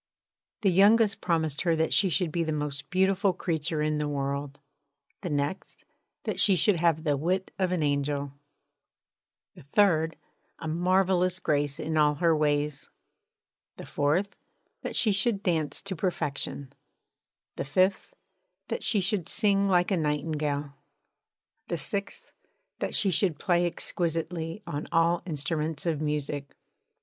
The youngest promised her that she should be the most beautiful creature in the world; the next, that she should have the wit of an angel; the third, a marvellous grace in all her ways; the fourth, that she should dance to perfection; the fifth, that she should sing like a nightingale; the sixth, that she should play exquisitely on all instruments of music.